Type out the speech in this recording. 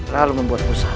lalu membuat usaha rai